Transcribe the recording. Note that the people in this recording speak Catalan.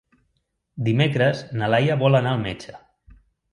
Dimecres na Laia vol anar al metge.